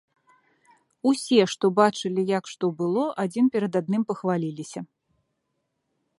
Усе, што бачылі, як што было, адзін перад адным пахваліліся.